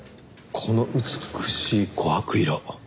この美しい琥珀色。